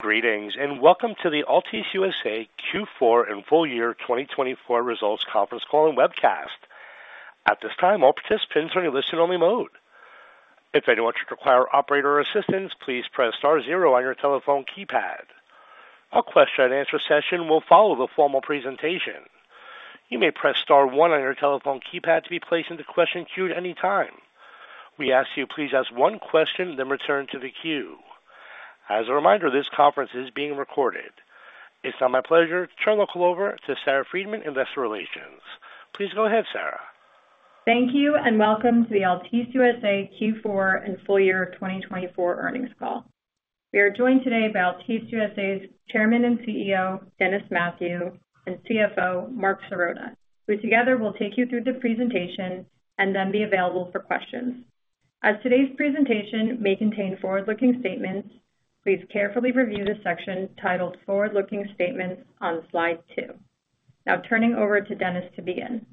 Greetings and welcome to the Altice USA Q4 and Full Year 2024 results conference call and webcast. At this time, all participants are in listen-only mode. If anyone should require operator assistance, please press star zero on your telephone keypad. A question-and-answer session will follow the formal presentation. You may press star one on your telephone keypad to be placed into question queue at any time. We ask that you please ask one question then return to the queue. As a reminder, this conference is being recorded. It's now my pleasure to turn the call over to Sarah Freedman in investor relations. Please go ahead, Sarah. Thank you and welcome to the Altice USA Q4 and Full Year 2024 earnings call. We are joined today by Altice USA's Chairman and CEO, Dennis Mathew, and CFO, Marc Sirota, who together will take you through the presentation and then be available for questions. As today's presentation may contain forward-looking statements, please carefully review the section titled Forward-Looking Statements on slide two. Now turning over to Dennis to begin.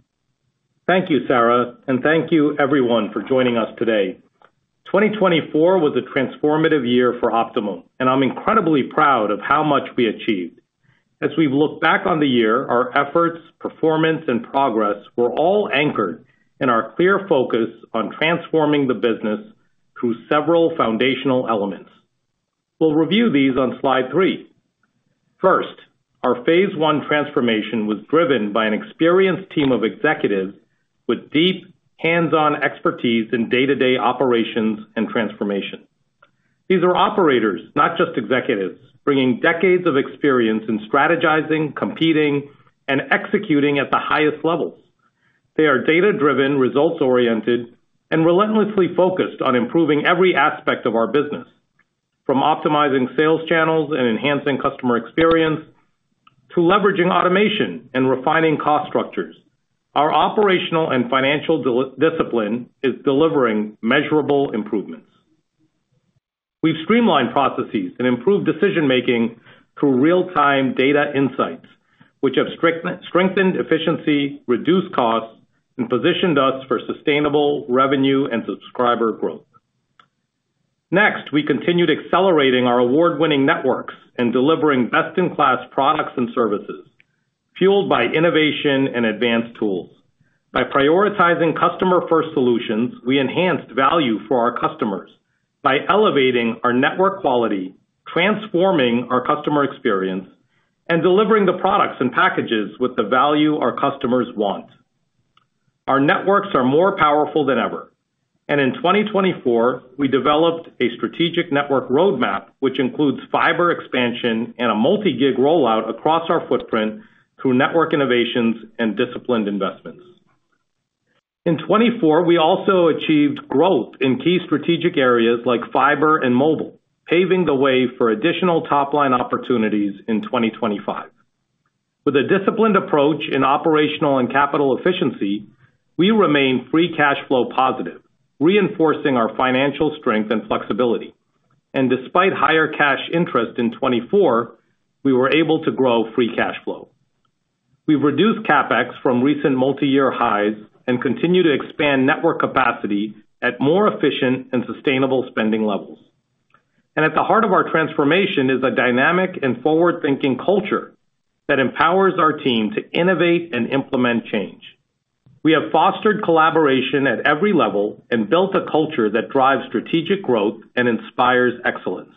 Thank you, Sarah, and thank you everyone for joining us today. 2024 was a transformative year for Optimum, and I'm incredibly proud of how much we achieved. As we've looked back on the year, our efforts, performance, and progress were all anchored in our clear focus on transforming the business through several foundational elements. We'll review these on slide three. First, our phase I transformation was driven by an experienced team of executives with deep hands-on expertise in day-to-day operations and transformation. These are operators, not just executives, bringing decades of experience in strategizing, competing, and executing at the highest levels. They are data-driven, results-oriented, and relentlessly focused on improving every aspect of our business, from optimizing sales channels and enhancing customer experience to leveraging automation and refining cost structures. Our operational and financial discipline is delivering measurable improvements. We've streamlined processes and improved decision-making through real-time data insights, which have strengthened efficiency, reduced costs, and positioned us for sustainable revenue and subscriber growth. Next, we continued accelerating our award-winning networks and delivering best-in-class products and services fueled by innovation and advanced tools. By prioritizing customer-first solutions, we enhanced value for our customers by elevating our network quality, transforming our customer experience, and delivering the products and packages with the value our customers want. Our networks are more powerful than ever, and in 2024, we developed a strategic network roadmap, which includes fiber expansion and a multi-gig rollout across our footprint through network innovations and disciplined investments. In 2024, we also achieved growth in key strategic areas like fiber and mobile, paving the way for additional top-line opportunities in 2025. With a disciplined approach in operational and capital efficiency, we remain free cash flow positive, reinforcing our financial strength and flexibility. And despite higher cash interest in 2024, we were able to grow free cash flow. We've reduced CapEx from recent multi-year highs and continue to expand network capacity at more efficient and sustainable spending levels. And at the heart of our transformation is a dynamic and forward-thinking culture that empowers our team to innovate and implement change. We have fostered collaboration at every level and built a culture that drives strategic growth and inspires excellence.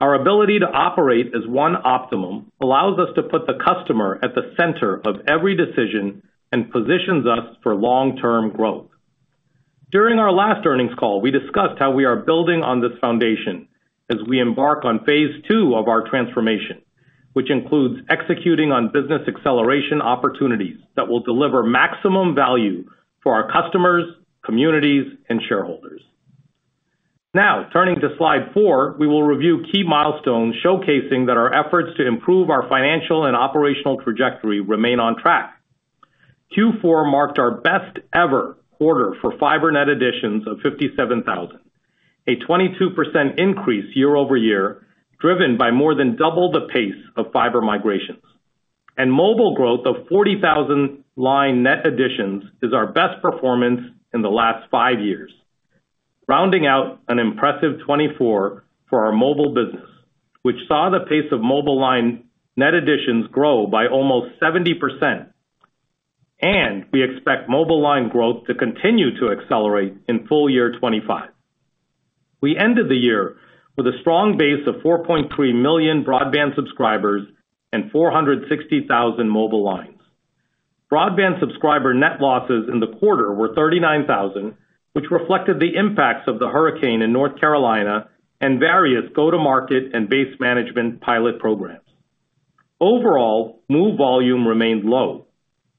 Our ability to operate as one Optimum allows us to put the customer at the center of every decision and positions us for long-term growth. During our last earnings call, we discussed how we are building on this foundation as we embark on phase II of our transformation, which includes executing on business acceleration opportunities that will deliver maximum value for our customers, communities, and shareholders. Now, turning to slide four, we will review key milestones showcasing that our efforts to improve our financial and operational trajectory remain on track. Q4 marked our best-ever order for fiber net additions of 57,000, a 22% increase year-over-year driven by more than double the pace of fiber migrations, and mobile growth of 40,000 line net additions is our best performance in the last five years, rounding out an impressive 2024 for our mobile business, which saw the pace of mobile line net additions grow by almost 70%, and we expect mobile line growth to continue to accelerate in full year 2025. We ended the year with a strong base of 4.3 million broadband subscribers and 460,000 mobile lines. Broadband subscriber net losses in the quarter were 39,000, which reflected the impacts of the hurricane in North Carolina and various go-to-market and base management pilot programs. Overall, move volume remained low,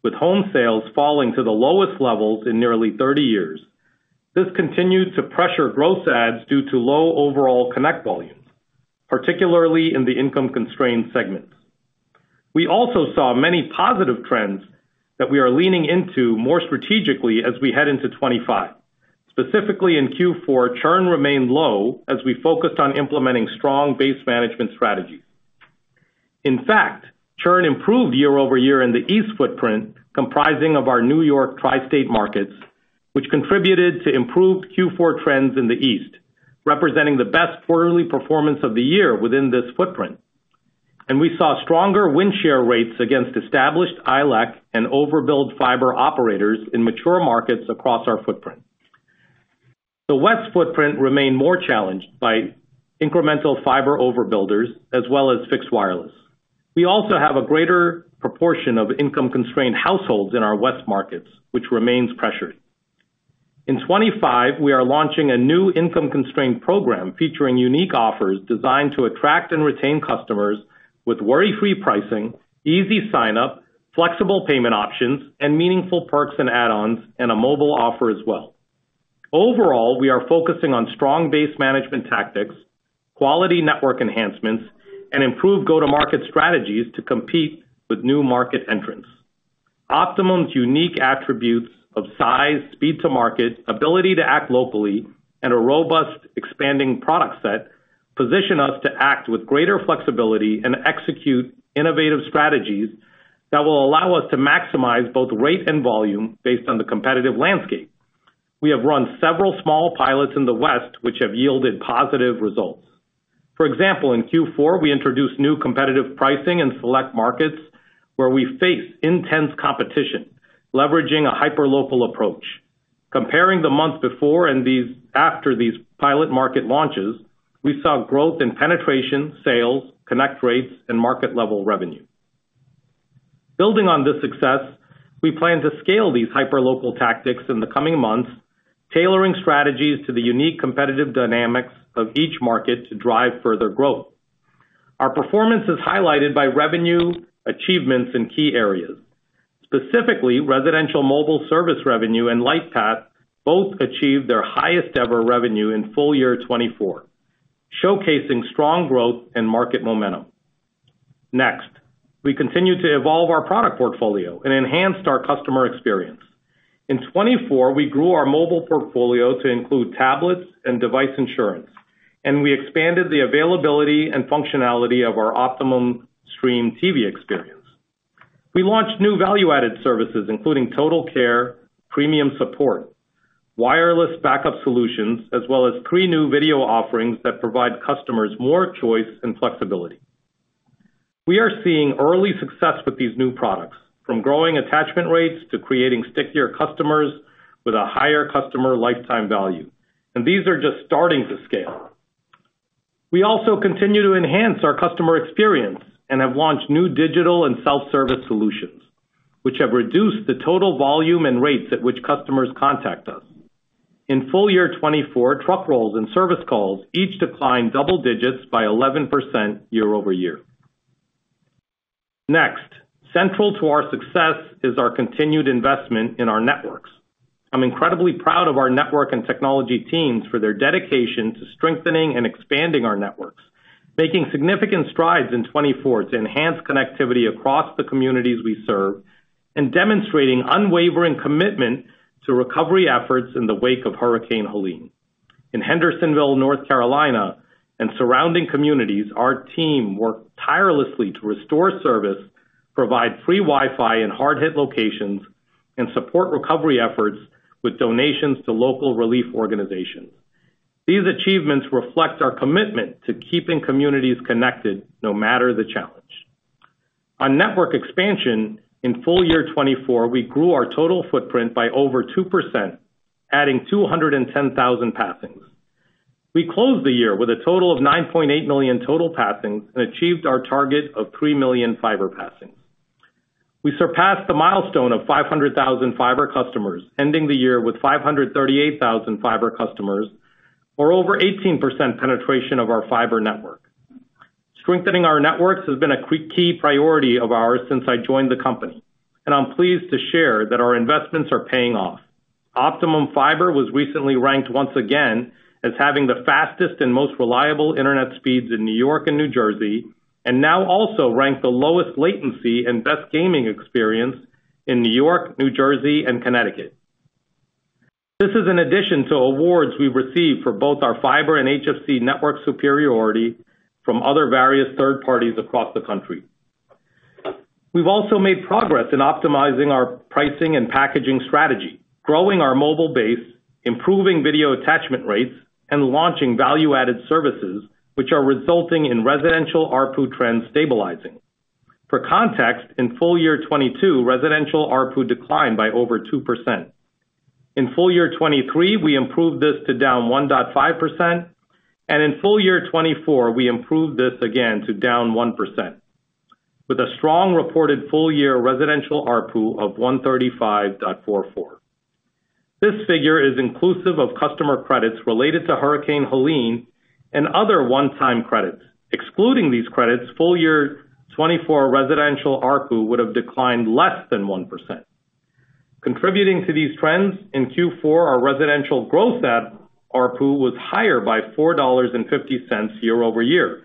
with home sales falling to the lowest levels in nearly 30 years. This continued to pressure gross adds due to low overall connect volumes, particularly in the income-constrained segments. We also saw many positive trends that we are leaning into more strategically as we head into 2025. Specifically in Q4, churn remained low as we focused on implementing strong base management strategies. In fact, churn improved year-over-year in the east footprint comprising of our New York Tri-State markets, which contributed to improved Q4 trends in the east, representing the best quarterly performance of the year within this footprint. We saw stronger win-share rates against established ILEC and overbuilder fiber operators in mature markets across our footprint. The west footprint remained more challenged by incremental fiber overbuilders as well as fixed wireless. We also have a greater proportion of income-constrained households in our west markets, which remains pressured. In 2025, we are launching a new income-constrained program featuring unique offers designed to attract and retain customers with worry-free pricing, easy sign-up, flexible payment options, and meaningful perks and add-ons and a mobile offer as well. Overall, we are focusing on strong base management tactics, quality network enhancements, and improved go-to-market strategies to compete with new market entrants. Optimum's unique attributes of size, speed to market, ability to act locally, and a robust expanding product set position us to act with greater flexibility and execute innovative strategies that will allow us to maximize both rate and volume based on the competitive landscape. We have run several small pilots in the west, which have yielded positive results. For example, in Q4, we introduced new competitive pricing in select markets where we faced intense competition, leveraging a hyperlocal approach. Comparing the month before and after these pilot market launches, we saw growth in penetration, sales, connect rates, and market-level revenue. Building on this success, we plan to scale these hyperlocal tactics in the coming months, tailoring strategies to the unique competitive dynamics of each market to drive further growth. Our performance is highlighted by revenue achievements in key areas. Specifically, residential mobile service revenue and Lightpath both achieved their highest-ever revenue in full year 2024, showcasing strong growth and market momentum. Next, we continue to evolve our product portfolio and enhance our customer experience. In 2024, we grew our mobile portfolio to include tablets and device insurance, and we expanded the availability and functionality of our Optimum Stream TV experience. We launched new value-added services, including TotalCare Premium Support, wireless backup solutions, as well as three new video offerings that provide customers more choice and flexibility. We are seeing early success with these new products, from growing attachment rates to creating stickier customers with a higher customer lifetime value, and these are just starting to scale. We also continue to enhance our customer experience and have launched new digital and self-service solutions, which have reduced the total volume and rates at which customers contact us. In full year 2024, truck rolls and service calls each declined double digits by 11% year-over-year. Next, central to our success is our continued investment in our networks. I'm incredibly proud of our network and technology teams for their dedication to strengthening and expanding our networks, making significant strides in 2024 to enhance connectivity across the communities we serve, and demonstrating unwavering commitment to recovery efforts in the wake of Hurricane Helene. In Hendersonville, North Carolina, and surrounding communities, our team worked tirelessly to restore service, provide free Wi-Fi in hard-hit locations, and support recovery efforts with donations to local relief organizations. These achievements reflect our commitment to keeping communities connected no matter the challenge. On network expansion, in full year 2024, we grew our total footprint by over 2%, adding 210,000 passings. We closed the year with a total of 9.8 million total passings and achieved our target of 3 million fiber passings. We surpassed the milestone of 500,000 fiber customers, ending the year with 538,000 fiber customers, or over 18% penetration of our fiber network. Strengthening our networks has been a key priority of ours since I joined the company, and I'm pleased to share that our investments are paying off. Optimum Fiber was recently ranked once again as having the fastest and most reliable internet speeds in New York and New Jersey, and now also ranked the lowest latency and best gaming experience in New York, New Jersey, and Connecticut. This is in addition to awards we've received for both our fiber and HFC network superiority from other various third parties across the country. We've also made progress in optimizing our pricing and packaging strategy, growing our mobile base, improving video attachment rates, and launching value-added services, which are resulting in residential ARPU trends stabilizing. For context, in full year 2022, residential ARPU declined by over 2%. In full year 2023, we improved this to down 1.5%, and in full year 2024, we improved this again to down 1%, with a strong reported full-year residential ARPU of $135.44. This figure is inclusive of customer credits related to Hurricane Helene and other one-time credits. Excluding these credits, full year 2024 residential ARPU would have declined less than 1%. Contributing to these trends in Q4, our residential growth ARPU was higher by $4.50 year-over-year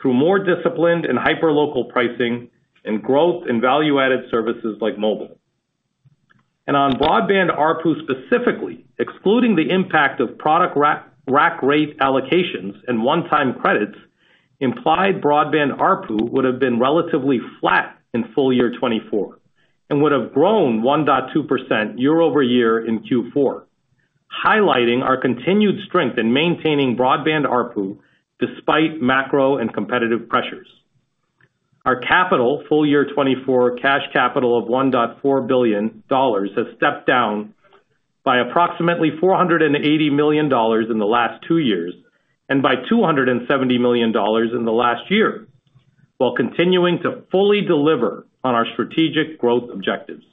through more disciplined and hyperlocal pricing and growth in value-added services like mobile. On broadband ARPU specifically, excluding the impact of product rack rate allocations and one-time credits, implied broadband ARPU would have been relatively flat in full year 2024 and would have grown 1.2% year-over-year in Q4, highlighting our continued strength in maintaining broadband ARPU despite macro and competitive pressures. Our capital, full year 2024 cash capital of $1.4 billion, has stepped down by approximately $480 million in the last two years and by $270 million in the last year, while continuing to fully deliver on our strategic growth objectives.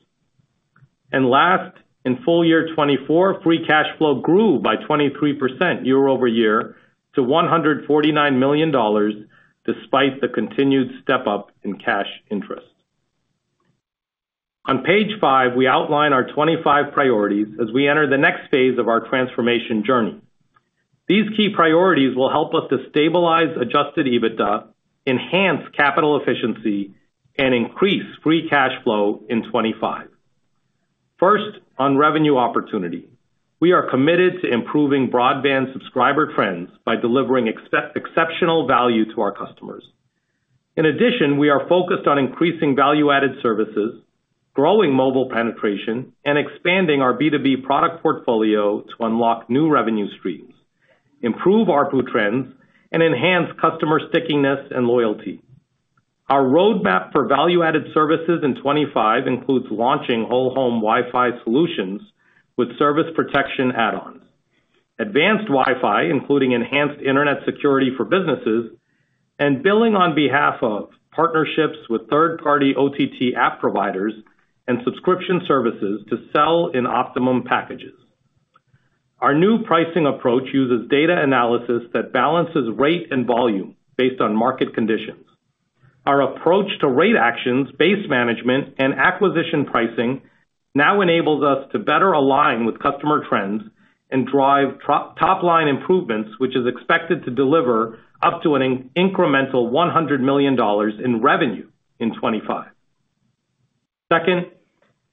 Last, in full year 2024, free cash flow grew by 23% year-over-year to $149 million despite the continued step-up in cash interest. On page five, we outline our 25 priorities as we enter the next phase of our transformation journey. These key priorities will help us to stabilize Adjusted EBITDA, enhance capital efficiency, and increase free cash flow in 2025. First, on revenue opportunity, we are committed to improving broadband subscriber trends by delivering exceptional value to our customers. In addition, we are focused on increasing value-added services, growing mobile penetration, and expanding our B2B product portfolio to unlock new revenue streams, improve ARPU trends, and enhance customer stickiness and loyalty. Our roadmap for value-added services in 2025 includes launching whole-home Wi-Fi solutions with service protection add-ons, advanced Wi-Fi, including enhanced internet security for businesses, and billing on behalf of partnerships with third-party OTT app providers and subscription services to sell in Optimum packages. Our new pricing approach uses data analysis that balances rate and volume based on market conditions. Our approach to rate actions, base management, and acquisition pricing now enables us to better align with customer trends and drive top-line improvements, which is expected to deliver up to an incremental $100 million in revenue in 2025. Second,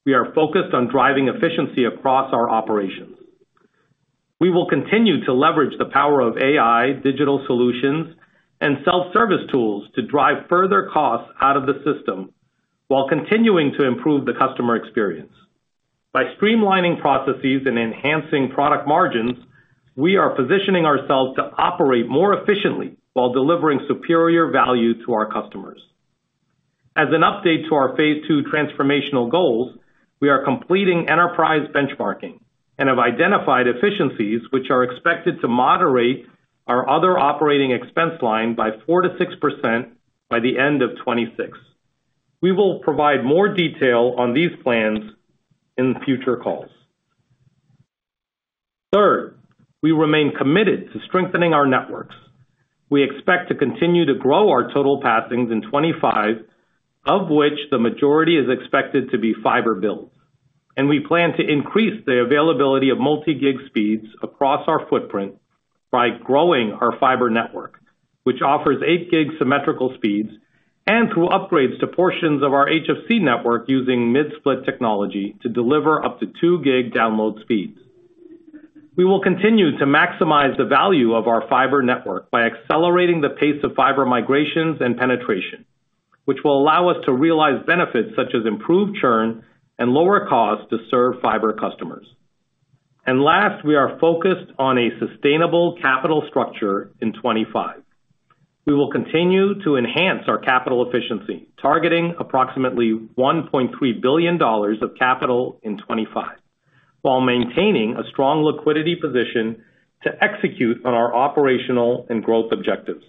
we are focused on driving efficiency across our operations. We will continue to leverage the power of AI, digital solutions, and self-service tools to drive further costs out of the system while continuing to improve the customer experience. By streamlining processes and enhancing product margins, we are positioning ourselves to operate more efficiently while delivering superior value to our customers. As an update to our phase II transformational goals, we are completing enterprise benchmarking and have identified efficiencies which are expected to moderate our other operating expense line by 4%-6% by the end of 2026. We will provide more detail on these plans in future calls. Third, we remain committed to strengthening our networks. We expect to continue to grow our total passings in 2025, of which the majority is expected to be fiber builds. And we plan to increase the availability of multi-gig speeds across our footprint by growing our fiber network, which offers 8 Gb symmetrical speeds, and through upgrades to portions of our HFC network using mid-split technology to deliver up to 2 Gb download speeds. We will continue to maximize the value of our fiber network by accelerating the pace of fiber migrations and penetration, which will allow us to realize benefits such as improved churn and lower costs to serve fiber customers. And last, we are focused on a sustainable capital structure in 2025. We will continue to enhance our capital efficiency, targeting approximately $1.3 billion of capital in 2025, while maintaining a strong liquidity position to execute on our operational and growth objectives.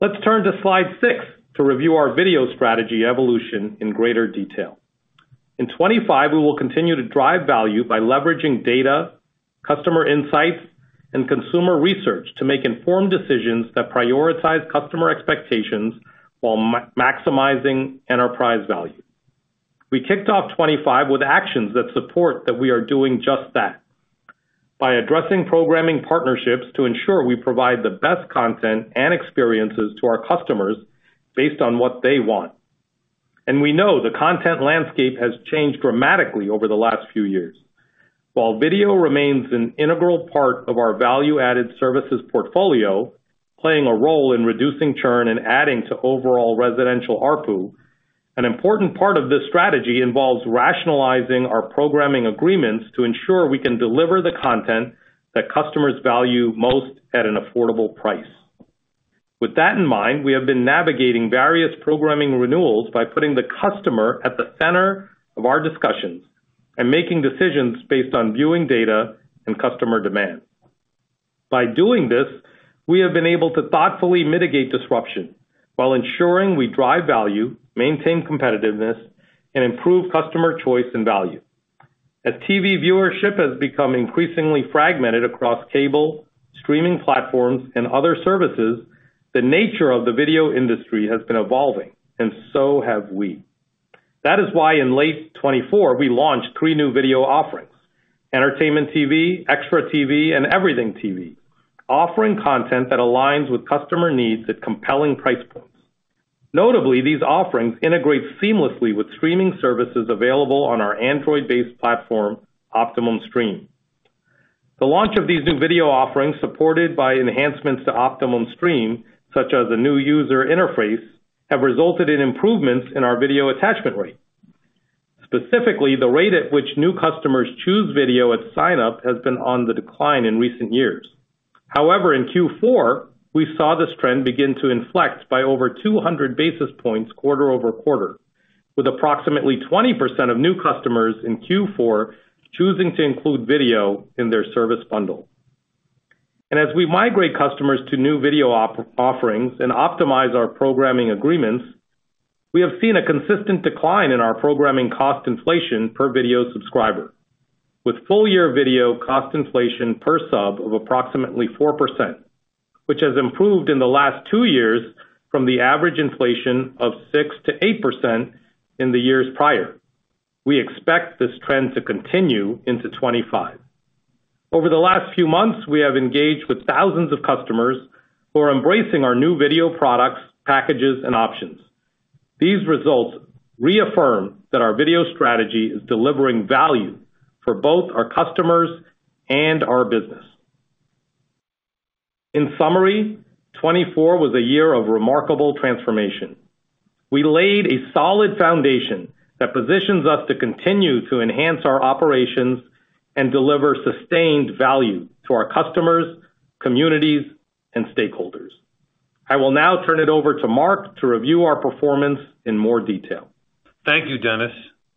Let's turn to slide six to review our video strategy evolution in greater detail. In 2025, we will continue to drive value by leveraging data, customer insights, and consumer research to make informed decisions that prioritize customer expectations while maximizing enterprise value. We kicked off 2025 with actions that support that we are doing just that by addressing programming partnerships to ensure we provide the best content and experiences to our customers based on what they want, and we know the content landscape has changed dramatically over the last few years. While video remains an integral part of our value-added services portfolio, playing a role in reducing churn and adding to overall residential ARPU, an important part of this strategy involves rationalizing our programming agreements to ensure we can deliver the content that customers value most at an affordable price. With that in mind, we have been navigating various programming renewals by putting the customer at the center of our discussions and making decisions based on viewing data and customer demand. By doing this, we have been able to thoughtfully mitigate disruption while ensuring we drive value, maintain competitiveness, and improve customer choice and value. As TV viewership has become increasingly fragmented across cable, streaming platforms, and other services, the nature of the video industry has been evolving, and so have we. That is why in late 2024, we launched three new video offerings: Entertainment TV, Extra TV, and Everything TV, offering content that aligns with customer needs at compelling price points. Notably, these offerings integrate seamlessly with streaming services available on our Android-based platform, Optimum Stream. The launch of these new video offerings, supported by enhancements to Optimum Stream, such as a new user interface, have resulted in improvements in our video attachment rate. Specifically, the rate at which new customers choose video at sign-up has been on the decline in recent years. However, in Q4, we saw this trend begin to inflect by over 200 basis points quarter-over-quarter, with approximately 20% of new customers in Q4 choosing to include video in their service bundle. As we migrate customers to new video offerings and optimize our programming agreements, we have seen a consistent decline in our programming cost inflation per video subscriber, with full year video cost inflation per sub of approximately 4%, which has improved in the last two years from the average inflation of 6%-8% in the years prior. We expect this trend to continue into 2025. Over the last few months, we have engaged with thousands of customers who are embracing our new video products, packages, and options. These results reaffirm that our video strategy is delivering value for both our customers and our business. In summary, 2024 was a year of remarkable transformation. We laid a solid foundation that positions us to continue to enhance our operations and deliver sustained value to our customers, communities, and stakeholders. I will now turn it over to Marc to review our performance in more detail. Thank you, Dennis.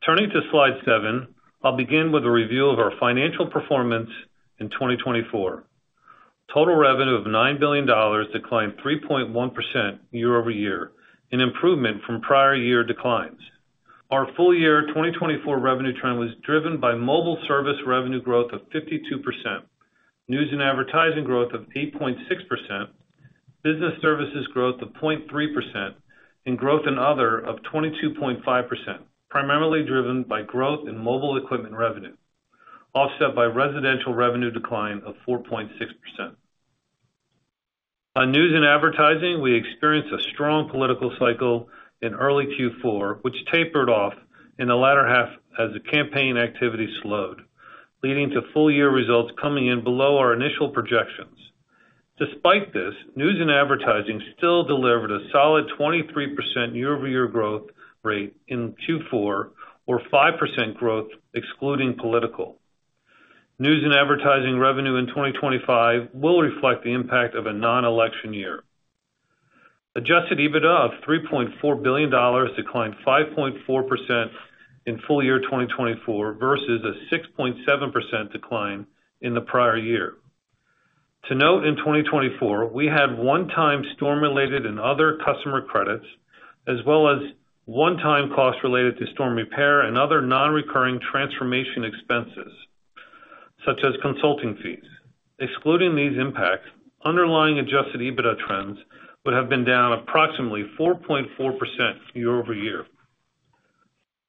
Turning to slide seven, I'll begin with a review of our financial performance in 2024. Total revenue of $9 billion declined 3.1% year-over-year, an improvement from prior year declines. Our full year 2024 revenue trend was driven by mobile service revenue growth of 52%, news and advertising growth of 8.6%, business services growth of 0.3%, and growth in other of 22.5%, primarily driven by growth in mobile equipment revenue, offset by residential revenue decline of 4.6%. On news and advertising, we experienced a strong political cycle in early Q4, which tapered off in the latter half as the campaign activity slowed, leading to full year results coming in below our initial projections. Despite this, news and advertising still delivered a solid 23% year-over-year growth rate in Q4, or 5% growth excluding political. News and advertising revenue in 2025 will reflect the impact of a non-election year. Adjusted EBITDA of $3.4 billion declined 5.4% in full year 2024 versus a 6.7% decline in the prior year. To note, in 2024, we had one-time storm-related and other customer credits, as well as one-time costs related to storm repair and other non-recurring transformation expenses, such as consulting fees. Excluding these impacts, underlying Adjusted EBITDA trends would have been down approximately 4.4% year-over-year.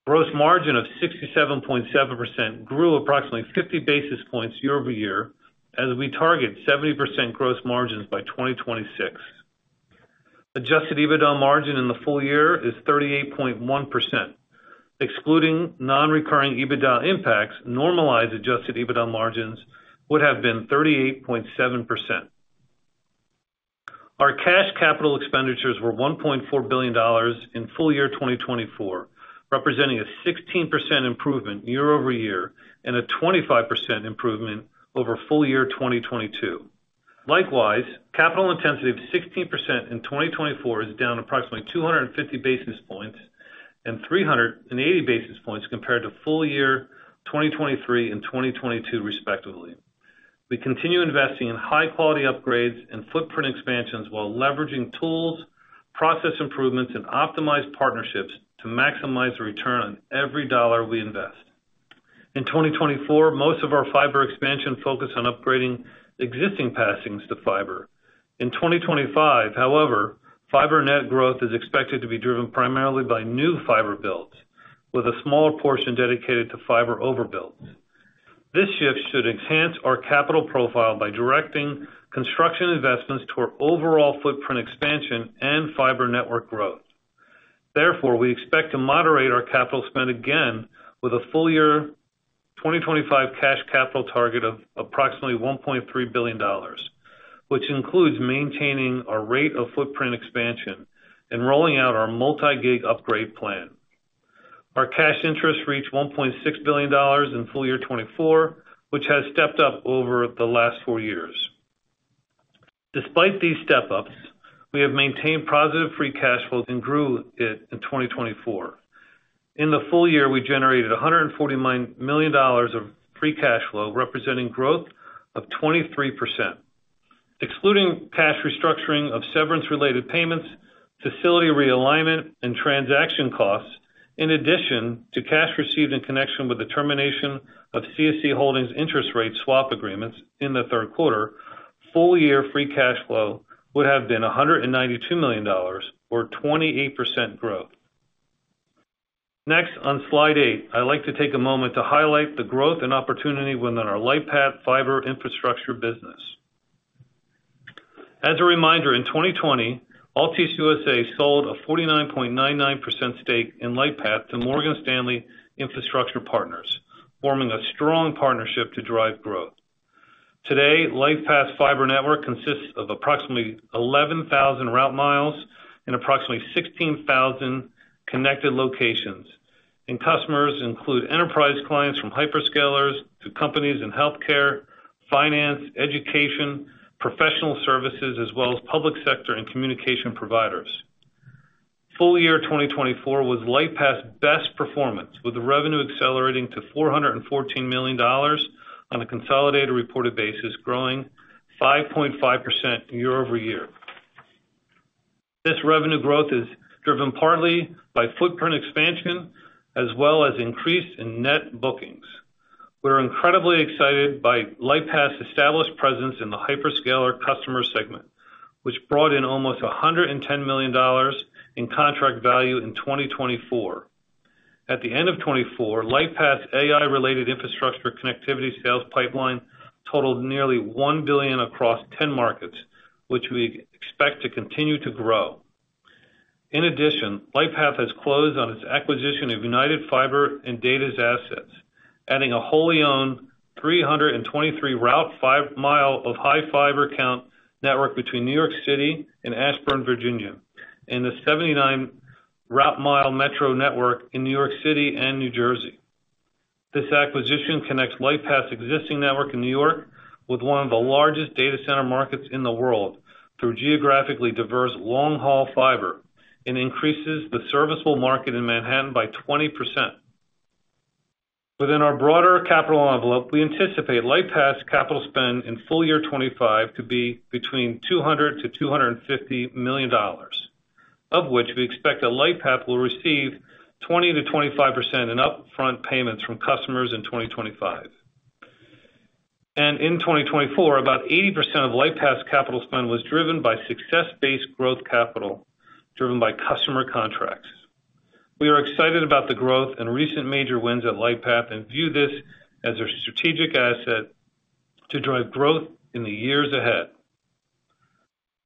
Gross margin of 67.7% grew approximately 50 basis points year-over-year as we target 70% gross margins by 2026. Adjusted EBITDA margin in the full year is 38.1%. Excluding non-recurring EBITDA impacts, normalized Adjusted EBITDA margins would have been 38.7%. Our cash capital expenditures were $1.4 billion in full year 2024, representing a 16% improvement year-over-year and a 25% improvement over full year 2022. Likewise, capital intensity of 16% in 2024 is down approximately 250 basis points and 380 basis points compared to full year 2023 and 2022, respectively. We continue investing in high-quality upgrades and footprint expansions while leveraging tools, process improvements, and optimized partnerships to maximize the return on every dollar we invest. In 2024, most of our fiber expansion focused on upgrading existing passings to fiber. In 2025, however, fiber net growth is expected to be driven primarily by new fiber builds, with a smaller portion dedicated to fiber overbuilds. This shift should enhance our capital profile by directing construction investments toward overall footprint expansion and fiber network growth. Therefore, we expect to moderate our capital spend again with a full year 2025 cash capital target of approximately $1.3 billion, which includes maintaining our rate of footprint expansion and rolling out our multi-gig upgrade plan. Our cash interest reached $1.6 billion in full year 2024, which has stepped up over the last four years. Despite these step-ups, we have maintained positive free cash flows and grew it in 2024. In the full year, we generated $149 million of free cash flow, representing growth of 23%. Excluding cash restructuring of severance-related payments, facility realignment, and transaction costs, in addition to cash received in connection with the termination of CSC Holdings' interest rate swap agreements in the third quarter, full year free cash flow would have been $192 million, or 28% growth. Next, on slide eight, I'd like to take a moment to highlight the growth and opportunity within our Lightpath fiber infrastructure business. As a reminder, in 2020, Altice USA sold a 49.99% stake in Lightpath to Morgan Stanley Infrastructure Partners, forming a strong partnership to drive growth. Today, Lightpath fiber network consists of approximately 11,000 route miles and approximately 16,000 connected locations, and customers include enterprise clients from hyperscalers to companies in healthcare, finance, education, professional services, as well as public sector and communication providers. Full year 2024 was Lightpath's best performance, with the revenue accelerating to $414 million on a consolidated reported basis, growing 5.5% year-over-year. This revenue growth is driven partly by footprint expansion, as well as increased in net bookings. We're incredibly excited by Lightpath's established presence in the hyperscaler customer segment, which brought in almost $110 million in contract value in 2024. At the end of 2024, Lightpath's AI-related infrastructure connectivity sales pipeline totaled nearly $1 billion across 10 markets, which we expect to continue to grow. In addition, Lightpath has closed on its acquisition of United Fiber & Data's assets, adding a wholly owned 323 route-mile of high fiber count network between New York City and Ashburn, Virginia, and a 79 route-mile metro network in New York City and New Jersey. This acquisition connects Lightpath's existing network in New York with one of the largest data center markets in the world through geographically diverse long-haul fiber and increases the serviceable market in Manhattan by 20%. Within our broader capital envelope, we anticipate Lightpath's capital spend in full year 2025 to be between $200 million-$250 million, of which we expect that Lightpath will receive 20%-25% in upfront payments from customers in 2025. In 2024, about 80% of Lightpath's capital spend was driven by success-based growth capital driven by customer contracts. We are excited about the growth and recent major wins at Lightpath and view this as a strategic asset to drive growth in the years ahead.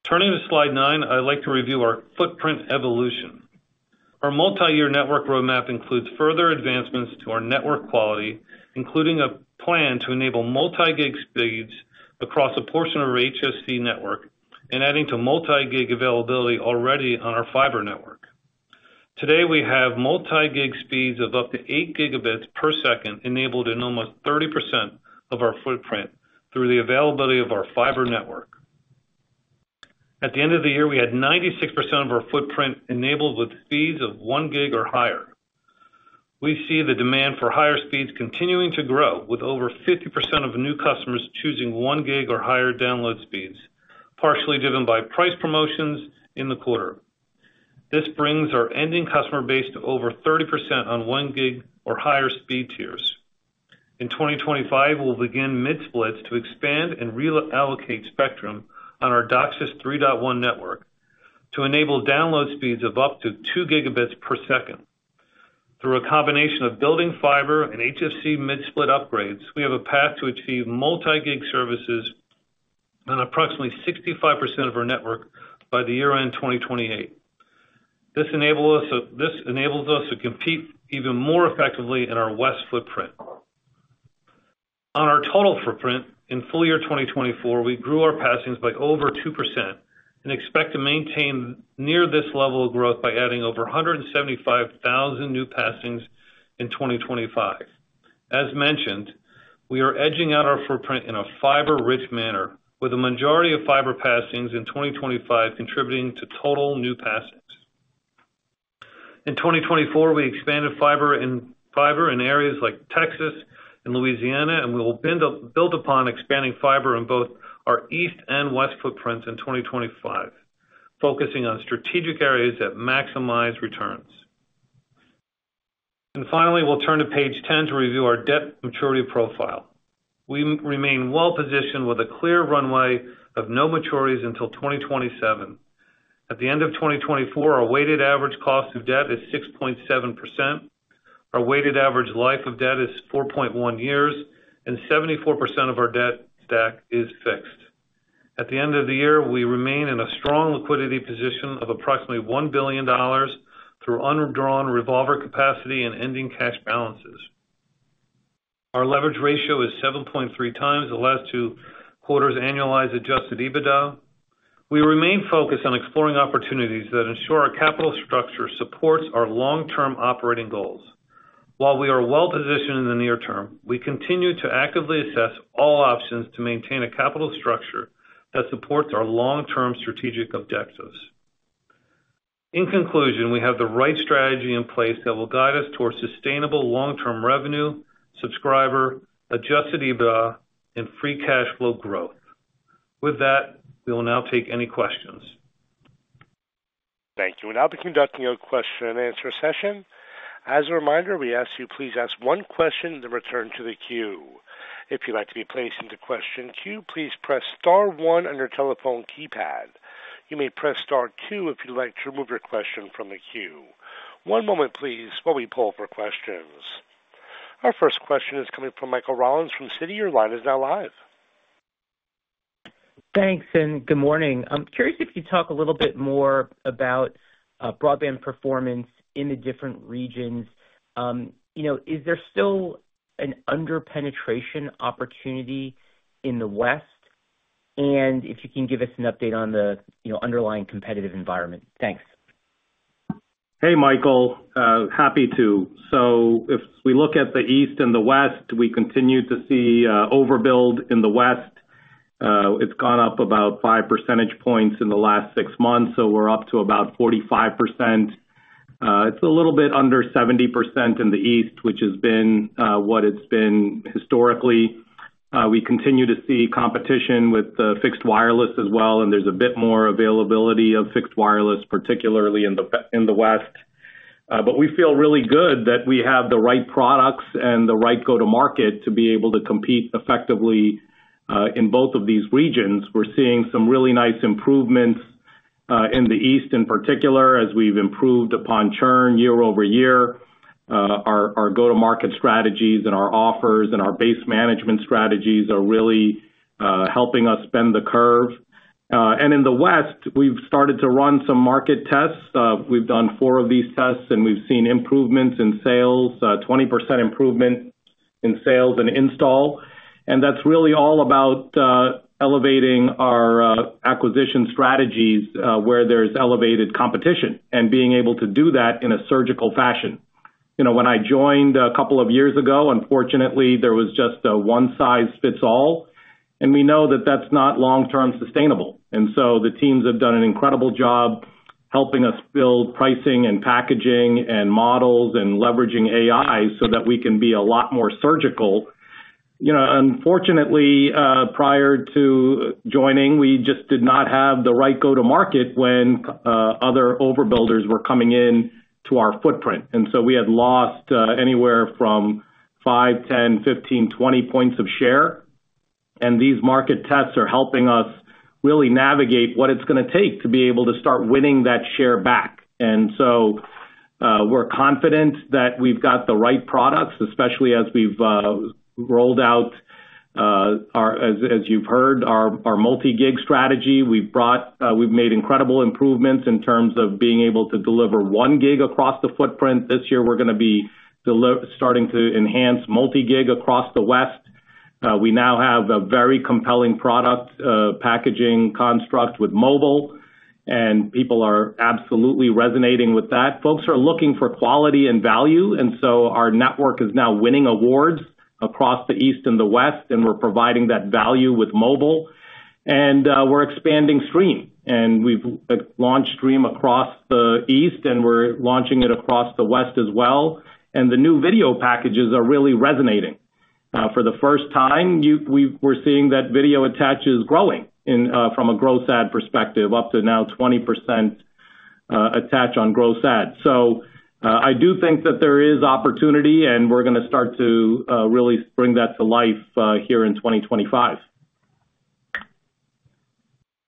Turning to slide nine, I'd like to review our footprint evolution. Our multi-year network roadmap includes further advancements to our network quality, including a plan to enable multi-gig speeds across a portion of our HFC network and adding to multi-gig availability already on our fiber network. Today, we have multi-gig speeds of up to 8 Gb per second enabled in almost 30% of our footprint through the availability of our fiber network. At the end of the year, we had 96% of our footprint enabled with speeds of 1 Gb or higher. We see the demand for higher speeds continuing to grow, with over 50% of new customers choosing 1 Gb or higher download speeds, partially driven by price promotions in the quarter. This brings our ending customer base to over 30% on 1 Gb or higher speed tiers. In 2025, we'll begin mid-splits to expand and reallocate spectrum on our DOCSIS 3.1 network to enable download speeds of up to 2 Gb per second. Through a combination of building fiber and HFC mid-split upgrades, we have a path to achieve multi-gig services on approximately 65% of our network by the year-end 2028. This enables us to compete even more effectively in our west footprint. On our total footprint in full year 2024, we grew our passings by over 2% and expect to maintain near this level of growth by adding over 175,000 new passings in 2025. As mentioned, we are edging our footprint in a fiber-rich manner, with a majority of fiber passings in 2025 contributing to total new passings. In 2024, we expanded fiber in areas like Texas and Louisiana, and we will build upon expanding fiber in both our east and west footprints in 2025, focusing on strategic areas that maximize returns, and finally, we'll turn to page 10 to review our debt maturity profile. We remain well-positioned with a clear runway of no maturities until 2027. At the end of 2024, our weighted average cost of debt is 6.7%. Our weighted average life of debt is 4.1 years, and 74% of our debt stack is fixed. At the end of the year, we remain in a strong liquidity position of approximately $1 billion through undrawn revolver capacity and ending cash balances. Our leverage ratio is 7.3x the last two quarters' annualized Adjusted EBITDA. We remain focused on exploring opportunities that ensure our capital structure supports our long-term operating goals. While we are well-positioned in the near term, we continue to actively assess all options to maintain a capital structure that supports our long-term strategic objectives. In conclusion, we have the right strategy in place that will guide us towards sustainable long-term revenue, subscriber, Adjusted EBITDA, and free cash flow growth. With that, we will now take any questions. Thank you, and I'll be conducting a question-and-answer session. As a reminder, we ask you please ask one question and return to the queue. If you'd like to be placed into question queue, please press star one on your telephone keypad. You may press star two if you'd like to remove your question from the queue. One moment, please, while we pull up our questions. Our first question is coming from Michael Rollins from Citi. Your line is now live. Thanks, and good morning. I'm curious if you could talk a little bit more about broadband performance in the different regions. Is there still an under-penetration opportunity in the west, and if you can give us an update on the underlying competitive environment? Thanks. Hey, Michael. Happy to. So if we look at the east and the west, we continue to see overbuild in the west. It's gone up about five percentage points in the last six months, so we're up to about 45%. It's a little bit under 70% in the east, which has been what it's been historically. We continue to see competition with fixed wireless as well, and there's a bit more availability of fixed wireless, particularly in the west. But we feel really good that we have the right products and the right go-to-market to be able to compete effectively in both of these regions. We're seeing some really nice improvements in the east in particular as we've improved upon churn year-over-year. Our go-to-market strategies and our offers and our base management strategies are really helping us bend the curve. And in the west, we've started to run some market tests. We've done four of these tests, and we've seen improvements in sales, 20% improvement in sales and install. And that's really all about elevating our acquisition strategies where there's elevated competition and being able to do that in a surgical fashion. When I joined a couple of years ago, unfortunately, there was just a one-size-fits-all, and we know that that's not long-term sustainable. And so the teams have done an incredible job helping us build pricing and packaging and models and leveraging AI so that we can be a lot more surgical. Unfortunately, prior to joining, we just did not have the right go-to-market when other overbuilders were coming in to our footprint. And so we had lost anywhere from five, 10, 15, 20 points of share. And these market tests are helping us really navigate what it's going to take to be able to start winning that share back. And so we're confident that we've got the right products, especially as we've rolled out, as you've heard, our multi-gig strategy. We've made incredible improvements in terms of being able to deliver 1 Gb across the footprint. This year, we're going to be starting to enhance multi-gig across the west. We now have a very compelling product packaging construct with mobile, and people are absolutely resonating with that. Folks are looking for quality and value, and so our network is now winning awards across the east and the west, and we're providing that value with mobile. And we're expanding stream, and we've launched stream across the east, and we're launching it across the west as well. And the new video packages are really resonating. For the first time, we're seeing that video attach is growing from a growth ad perspective up to now 20% attach on growth ads. So I do think that there is opportunity, and we're going to start to really bring that to life here in 2025.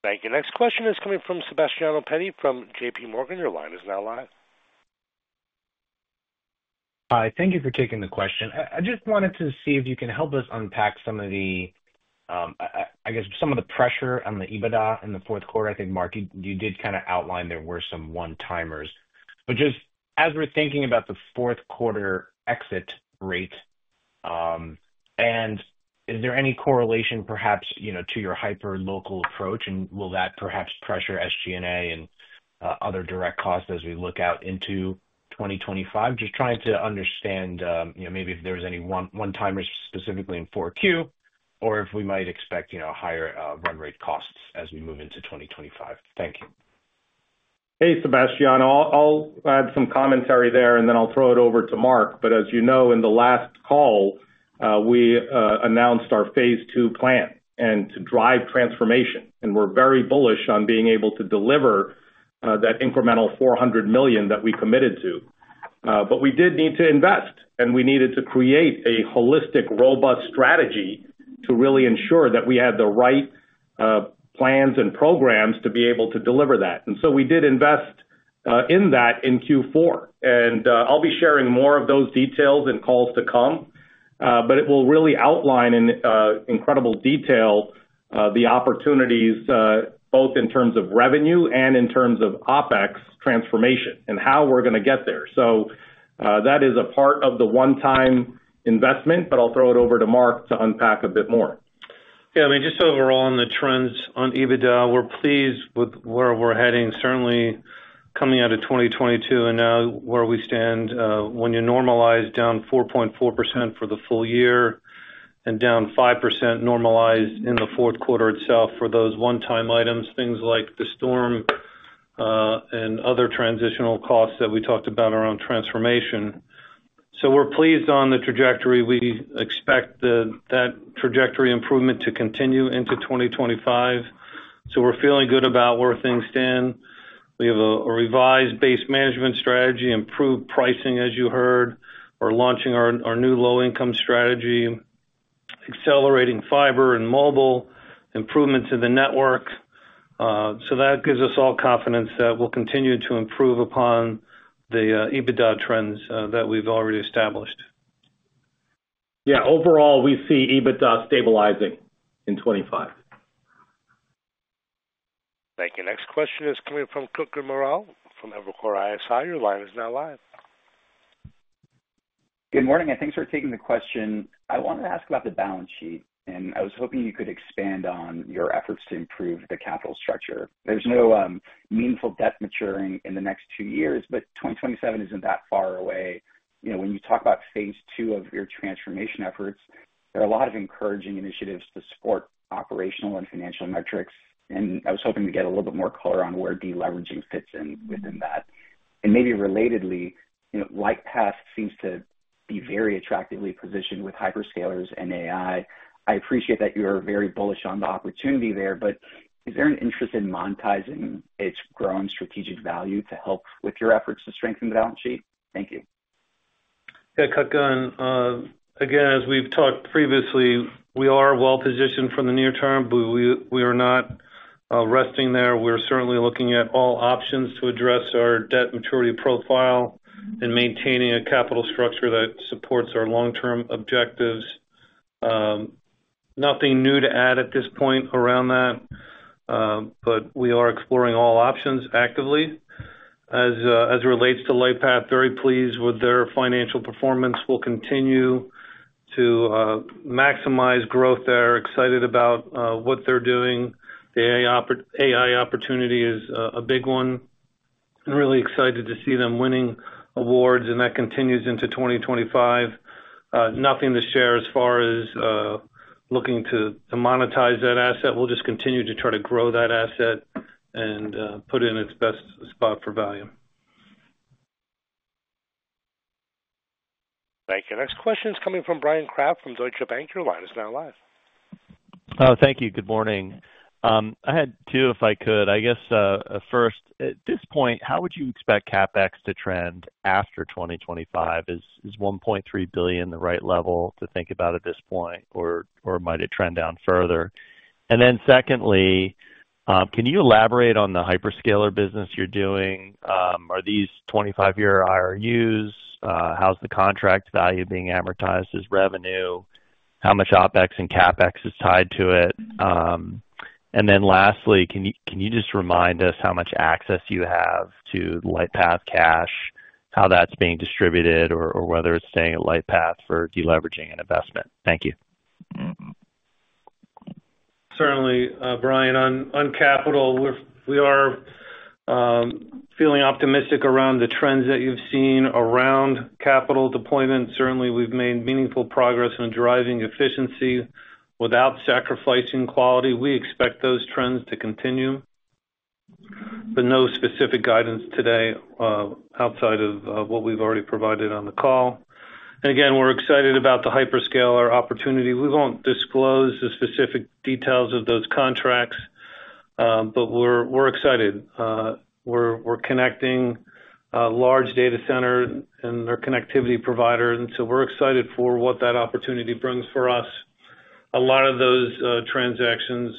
Thank you. Next question is coming from Sebastiano Petti from J.P. Morgan. Your line is now live. Hi. Thank you for taking the question. I just wanted to see if you can help us unpack some of the, I guess, some of the pressure on the EBITDA in the fourth quarter. I think, Marc, you did kind of outline there were some one-timers. But just as we're thinking about the fourth quarter exit rate, and is there any correlation perhaps to your hyper-local approach, and will that perhaps pressure SG&A and other direct costs as we look out into 2025? Just trying to understand maybe if there was any one-timers specifically in 4Q or if we might expect higher run rate costs as we move into 2025. Thank you. Hey, Sebastiano. I'll add some commentary there, and then I'll throw it over to Marc. But as you know, in the last call, we announced our phase II plan and to drive transformation. We're very bullish on being able to deliver that incremental $400 million that we committed to. But we did need to invest, and we needed to create a holistic, robust strategy to really ensure that we had the right plans and programs to be able to deliver that. And so we did invest in that in Q4. And I'll be sharing more of those details and calls to come, but it will really outline in incredible detail the opportunities both in terms of revenue and in terms of OpEx transformation and how we're going to get there. So that is a part of the one-time investment, but I'll throw it over to Marc to unpack a bit more. Yeah. I mean, just overall on the trends on EBITDA, we're pleased with where we're heading, certainly coming out of 2022 and now where we stand when you normalize down 4.4% for the full year and down 5% normalized in the fourth quarter itself for those one-time items, things like the storm and other transitional costs that we talked about around transformation. So we're pleased on the trajectory. We expect that trajectory improvement to continue into 2025. So we're feeling good about where things stand. We have a revised base management strategy, improved pricing, as you heard. We're launching our new low-income strategy, accelerating fiber and mobile, improvements in the network. So that gives us all confidence that we'll continue to improve upon the EBITDA trends that we've already established. Yeah. Overall, we see EBITDA stabilizing in 2025. Thank you. Next question is coming from Kutgun Maral from Evercore ISI. Your line is now live. Good morning, and thanks for taking the question. I wanted to ask about the balance sheet, and I was hoping you could expand on your efforts to improve the capital structure. There's no meaningful debt maturing in the next two years, but 2027 isn't that far away. When you talk about phase II of your transformation efforts, there are a lot of encouraging initiatives to support operational and financial metrics. And I was hoping to get a little bit more color on where deleveraging fits in within that. And maybe relatedly, Lightpath seems to be very attractively positioned with hyperscalers and AI. I appreciate that you're very bullish on the opportunity there, but is there an interest in monetizing its growing strategic value to help with your efforts to strengthen the balance sheet? Thank you. Yeah. Kutgun. And, again, as we've talked previously, we are well-positioned for the near term, but we are not resting there. We're certainly looking at all options to address our debt maturity profile and maintaining a capital structure that supports our long-term objectives. Nothing new to add at this point around that, but we are exploring all options actively. As it relates to Lightpath, very pleased with their financial performance. We'll continue to maximize growth. They're excited about what they're doing. The AI opportunity is a big one. I'm really excited to see them winning awards, and that continues into 2025. Nothing to share as far as looking to monetize that asset. We'll just continue to try to grow that asset and put it in its best spot for value. Thank you. Next question is coming from Bryan Kraft from Deutsche Bank. Your line is now live. Thank you. Good morning. I had two if I could. I guess first, at this point, how would you expect CapEx to trend after 2025? Is $1.3 billion the right level to think about at this point, or might it trend down further? And then secondly, can you elaborate on the hyperscaler business you're doing? Are these 25-year IRUs? How's the contract value being amortized as revenue? How much OpEx and CapEx is tied to it? And then lastly, can you just remind us how much access you have to Lightpath cash, how that's being distributed, or whether it's staying at Lightpath for deleveraging and investment? Thank you. Certainly. Brian, on capital, we are feeling optimistic around the trends that you've seen around capital deployment. Certainly, we've made meaningful progress in driving efficiency without sacrificing quality. We expect those trends to continue, but no specific guidance today outside of what we've already provided on the call. And again, we're excited about the hyperscaler opportunity. We won't disclose the specific details of those contracts, but we're excited. We're connecting large data centers and their connectivity providers, and so we're excited for what that opportunity brings for us. A lot of those transactions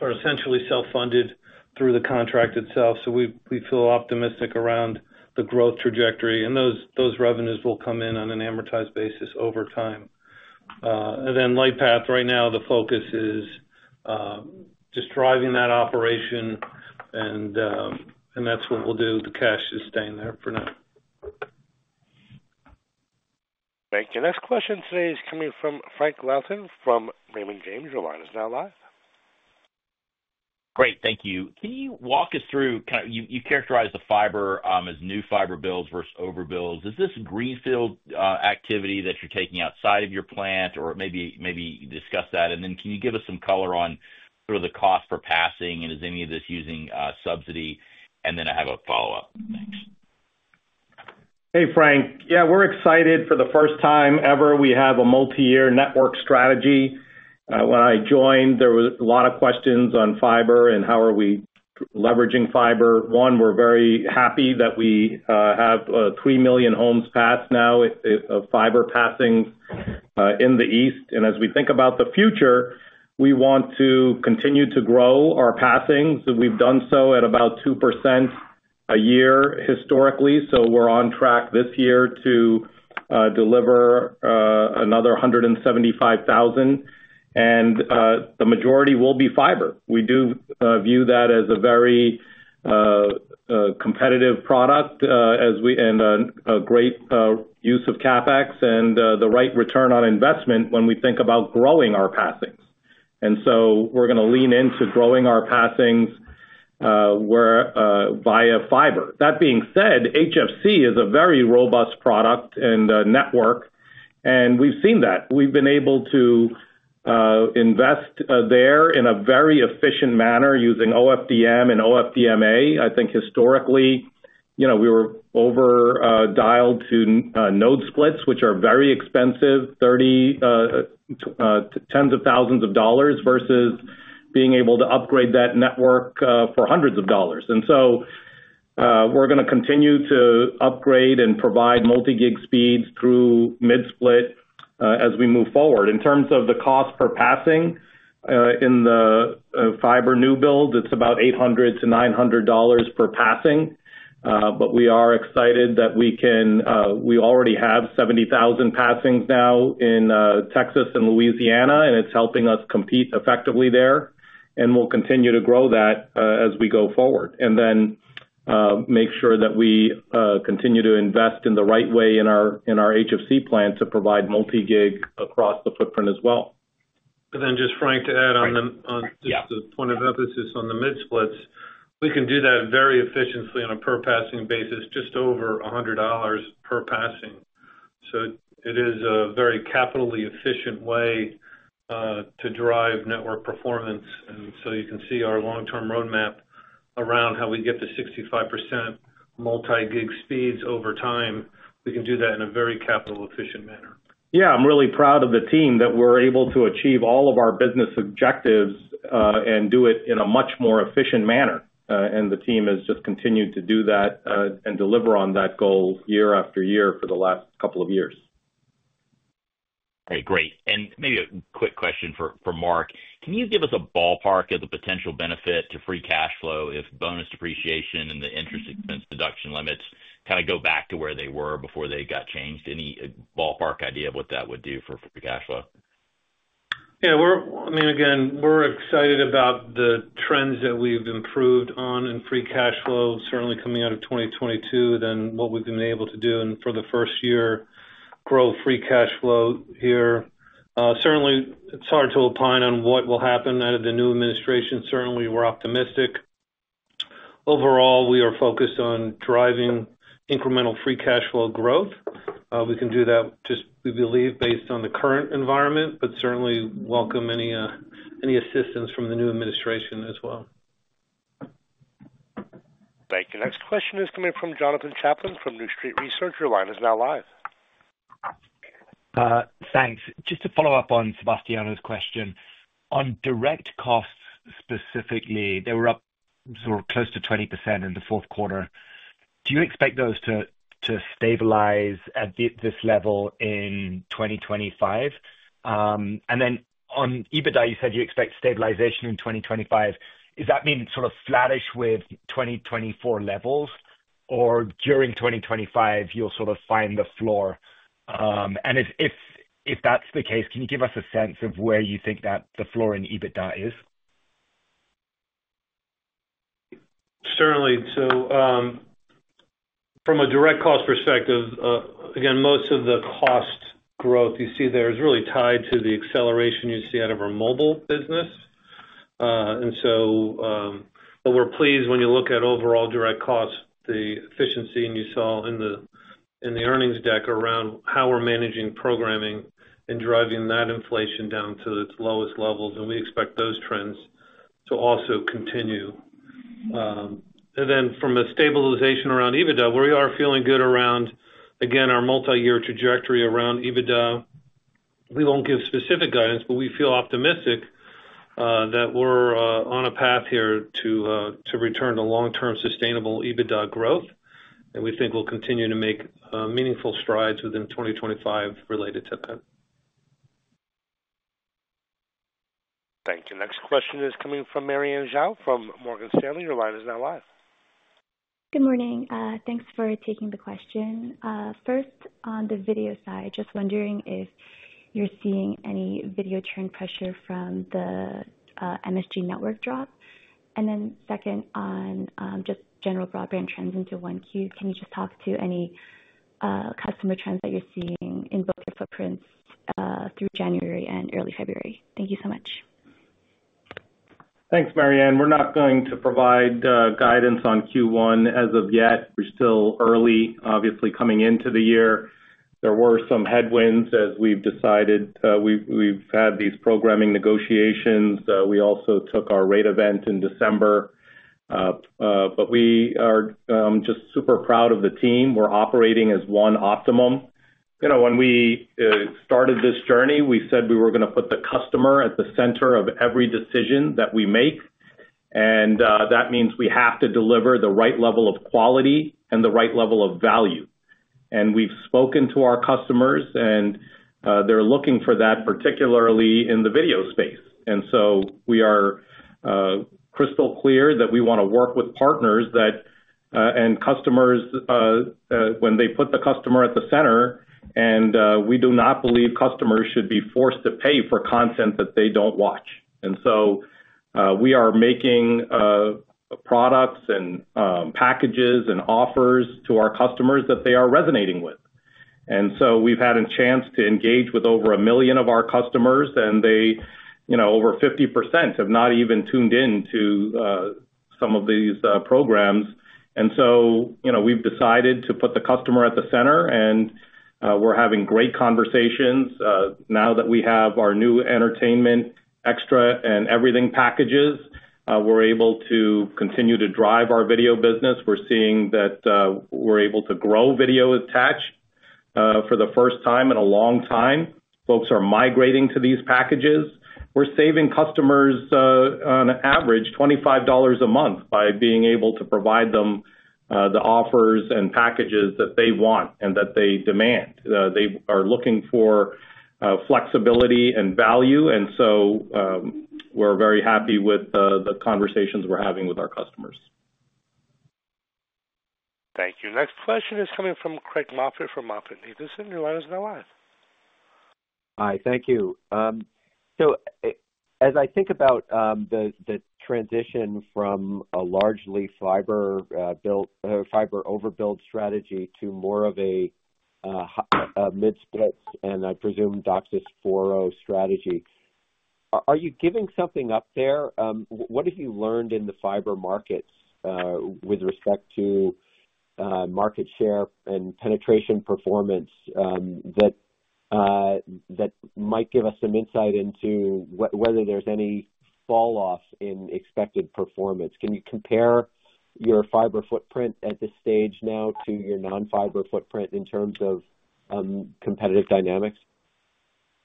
are essentially self-funded through the contract itself, so we feel optimistic around the growth trajectory, and those revenues will come in on an amortized basis over time. And then Lightpath, right now, the focus is just driving that operation, and that's what we'll do. The cash is staying there for now. Thank you. Next question today is coming from Frank Louthan from Raymond James. Your line is now live. Great. Thank you. Can you walk us through kind of you characterized the fiber as new fiber builds versus overbuilds? Is this greenfield activity that you're taking outside of your plant, or maybe discuss that? And then can you give us some color on sort of the cost for passing, and is any of this using subsidy? And then I have a follow-up. Thanks. Hey, Frank. Yeah, we're excited. For the first time ever, we have a multi-year network strategy. When I joined, there were a lot of questions on fiber and how are we leveraging fiber. One, we're very happy that we have three million homes passed now of fiber passings in the east. And as we think about the future, we want to continue to grow our passings. We've done so at about 2% a year historically, so we're on track this year to deliver another 175,000, and the majority will be fiber. We do view that as a very competitive product and a great use of CapEx and the right return on investment when we think about growing our passings. And so we're going to lean into growing our passings via fiber. That being said, HFC is a very robust product and network, and we've seen that. We've been able to invest there in a very efficient manner using OFDM and OFDMA. I think historically, we were over-dialed to node splits, which are very expensive, tens of thousands of dollars versus being able to upgrade that network for hundreds of dollars. And so we're going to continue to upgrade and provide multi-gig speeds through mid-split as we move forward. In terms of the cost per passing in the fiber new build, it's about $800-$900 per passing, but we are excited that we already have 70,000 passings now in Texas and Louisiana, and it's helping us compete effectively there. We'll continue to grow that as we go forward and then make sure that we continue to invest in the right way in our HFC plan to provide multi-gig across the footprint as well. But then just, Frank, to add on just the point of emphasis on the mid-splits, we can do that very efficiently on a per-passing basis, just over $100 per passing. So it is a very capital efficient way to drive network performance. So you can see our long-term roadmap around how we get to 65% multi-gig speeds over time. We can do that in a very capital-efficient manner. Yeah. I'm really proud of the team that we're able to achieve all of our business objectives and do it in a much more efficient manner. The team has just continued to do that and deliver on that goal year after year for the last couple of years. Okay. Great. And maybe a quick question for Marc. Can you give us a ballpark of the potential benefit to free cash flow if bonus depreciation and the interest expense deduction limits kind of go back to where they were before they got changed? Any ballpark idea of what that would do for free cash flow? Yeah. I mean, again, we're excited about the trends that we've improved on in free cash flow, certainly coming out of 2022, then what we've been able to do and for the first year grow free cash flow here. Certainly, it's hard to opine on what will happen out of the new administration. Certainly, we're optimistic. Overall, we are focused on driving incremental free cash flow growth. We can do that just, we believe, based on the current environment, but certainly welcome any assistance from the new administration as well. Thank you. Next question is coming from Jonathan Chaplin from New Street Research. Your line is now live. Thanks. Just to follow up on Sebastiano's question, on direct costs specifically, they were up sort of close to 20% in the fourth quarter. Do you expect those to stabilize at this level in 2025? And then on EBITDA, you said you expect stabilization in 2025. Does that mean sort of flattish with 2024 levels, or during 2025, you'll sort of find the floor? And if that's the case, can you give us a sense of where you think that the floor in EBITDA is? Certainly. So from a direct cost perspective, again, most of the cost growth you see there is really tied to the acceleration you see out of our mobile business. And so we're pleased when you look at overall direct costs, the efficiency you saw in the earnings deck around how we're managing programming and driving that inflation down to its lowest levels. And we expect those trends to also continue. And then from a stabilization around EBITDA, we are feeling good around, again, our multi-year trajectory around EBITDA. We won't give specific guidance, but we feel optimistic that we're on a path here to return to long-term sustainable EBITDA growth. And we think we'll continue to make meaningful strides within 2025 related to that. Thank you. Next question is coming from MaryAnne Zhao from Morgan Stanley. Your line is now live. Good morning. Thanks for taking the question. First, on the video side, just wondering if you're seeing any video churn pressure from the MSG Networks drop. And then second, on just general broadband trends into 1Q, can you just talk to any customer trends that you're seeing in both your footprints through January and early February? Thank you so much. Thanks, MaryAnne. We're not going to provide guidance on Q1 as of yet. We're still early, obviously, coming into the year. There were some headwinds as we've decided. We've had these programming negotiations. We also took our rate event in December. But we are just super proud of the team. We're operating as one Optimum. When we started this journey, we said we were going to put the customer at the center of every decision that we make. And that means we have to deliver the right level of quality and the right level of value. And we've spoken to our customers, and they're looking for that particularly in the video space. And so we are crystal clear that we want to work with partners and customers when they put the customer at the center. And we do not believe customers should be forced to pay for content that they don't watch. And so we are making products and packages and offers to our customers that they are resonating with. And so we've had a chance to engage with over a million of our customers, and over 50% have not even tuned into some of these programs. And so we've decided to put the customer at the center, and we're having great conversations. Now that we have our new Entertainment, Extra, and Everything packages, we're able to continue to drive our video business. We're seeing that we're able to grow video attach for the first time in a long time. Folks are migrating to these packages. We're saving customers on average $25 a month by being able to provide them the offers and packages that they want and that they demand. They are looking for flexibility and value. And so we're very happy with the conversations we're having with our customers. Thank you. Next question is coming from Craig Moffett from MoffettNathanson. Your line is now live. Hi. Thank you. So as I think about the transition from a largely fiber overbuild strategy to more of a mid-splits and I presume DOCSIS 4.0 strategy, are you giving something up there? What have you learned in the fiber markets with respect to market share and penetration performance that might give us some insight into whether there's any falloff in expected performance? Can you compare your fiber footprint at this stage now to your non-fiber footprint in terms of competitive dynamics?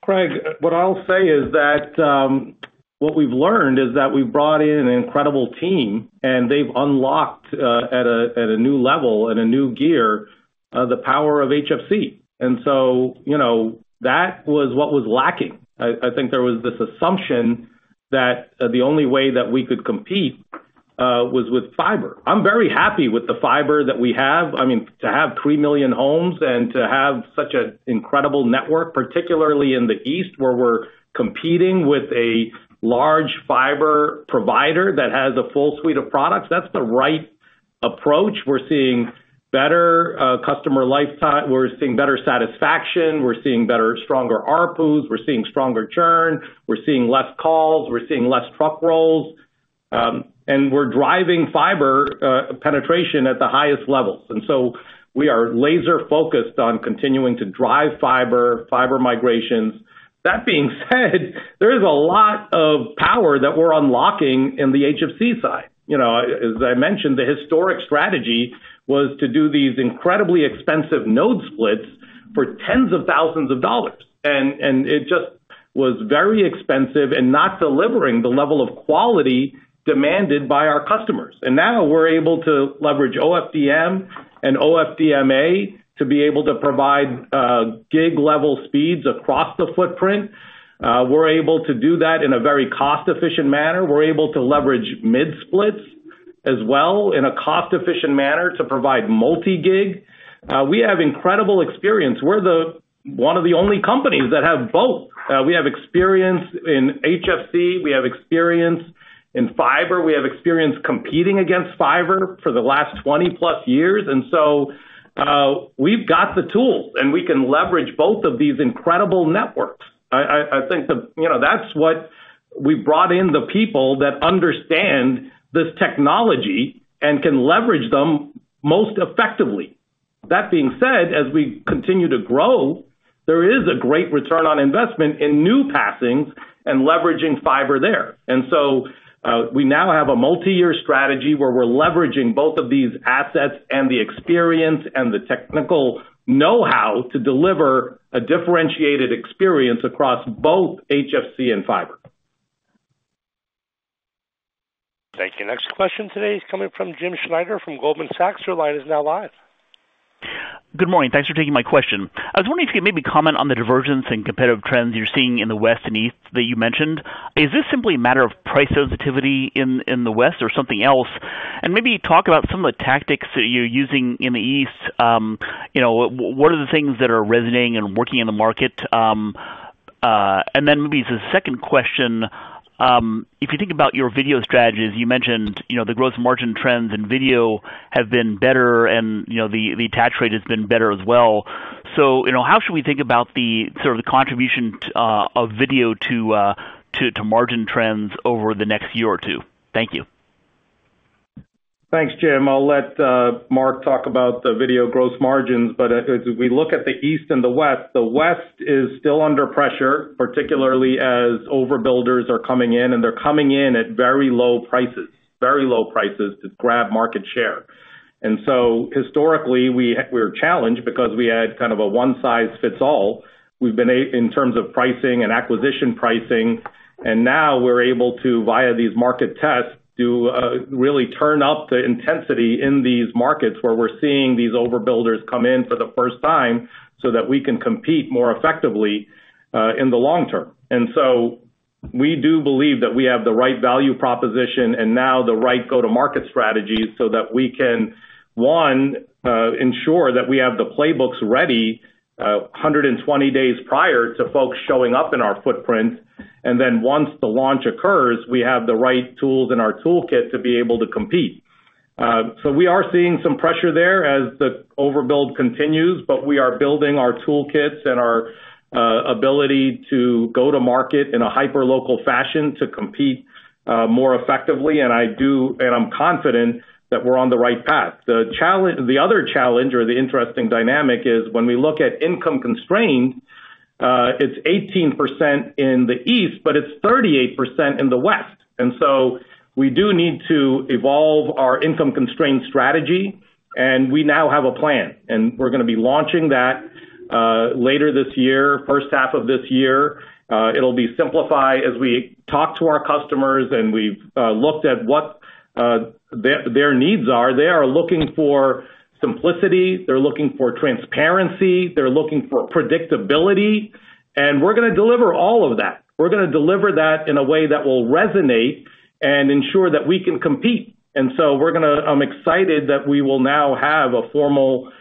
Craig, what I'll say is that what we've learned is that we've brought in an incredible team, and they've unlocked at a new level and a new gear the power of HFC. And so that was what was lacking. I think there was this assumption that the only way that we could compete was with fiber. I'm very happy with the fiber that we have. I mean, to have three million homes and to have such an incredible network, particularly in the east where we're competing with a large fiber provider that has a full suite of products, that's the right approach. We're seeing better customer lifetime. We're seeing better satisfaction. We're seeing better, stronger RPUs. We're seeing stronger churn. We're seeing less calls. We're seeing less truck rolls, and we're driving fiber penetration at the highest levels, and so we are laser-focused on continuing to drive fiber, fiber migrations. That being said, there is a lot of power that we're unlocking in the HFC side. As I mentioned, the historic strategy was to do these incredibly expensive node splits for tens of thousands of dollars, and it just was very expensive and not delivering the level of quality demanded by our customers. Now we're able to leverage OFDM and OFDMA to be able to provide gig-level speeds across the footprint. We're able to do that in a very cost-efficient manner. We're able to leverage mid-splits as well in a cost-efficient manner to provide multi-gig. We have incredible experience. We're one of the only companies that have both. We have experience in HFC. We have experience in fiber. We have experience competing against fiber for the last 20-plus years. And so we've got the tools, and we can leverage both of these incredible networks. I think that's what we've brought in the people that understand this technology and can leverage them most effectively. That being said, as we continue to grow, there is a great return on investment in new passings and leveraging fiber there. And so we now have a multi-year strategy where we're leveraging both of these assets and the experience and the technical know-how to deliver a differentiated experience across both HFC and fiber. Thank you. Next question today is coming from Jim Schneider from Goldman Sachs. Your line is now live. Good morning. Thanks for taking my question. I was wondering if you could maybe comment on the divergence and competitive trends you're seeing in the West and East that you mentioned. Is this simply a matter of price sensitivity in the West or something else? And maybe talk about some of the tactics that you're using in the East. What are the things that are resonating and working in the market? And then maybe as a second question, if you think about your video strategies, you mentioned the gross margin trends in video have been better, and the attach rate has been better as well. So how should we think about the sort of contribution of video to margin trends over the next year or two? Thank you. Thanks, Jim. I'll let Marc talk about the video gross margins. But as we look at the East and the West, the West is still under pressure, particularly as overbuilders are coming in, and they're coming in at very low prices, very low prices to grab market share. And so historically, we were challenged because we had kind of a one-size-fits-all in terms of pricing and acquisition pricing. And now we're able to, via these market tests, really turn up the intensity in these markets where we're seeing these overbuilders come in for the first time so that we can compete more effectively in the long term. And so we do believe that we have the right value proposition and now the right go-to-market strategy so that we can, one, ensure that we have the playbooks ready 120 days prior to folks showing up in our footprint. And then once the launch occurs, we have the right tools in our toolkit to be able to compete. So we are seeing some pressure there as the overbuild continues, but we are building our toolkits and our ability to go to market in a hyper-local fashion to compete more effectively. And I'm confident that we're on the right path. The other challenge or the interesting dynamic is when we look at income-constrained. It's 18% in the East, but it's 38% in the West. We do need to evolve our income-constrained strategy. We now have a plan. We're going to be launching that later this year, first half of this year. It'll be simplified as we talk to our customers, and we've looked at what their needs are. They are looking for simplicity. They're looking for transparency. They're looking for predictability. We're going to deliver all of that. We're going to deliver that in a way that will resonate and ensure that we can compete. I'm excited that we will now have a formal